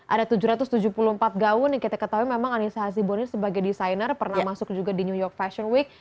ada tujuh ratus tujuh puluh empat gaun yang kita ketahui memang anissa hazibuni sebagai desainer pernah masuk juga di new york fashion week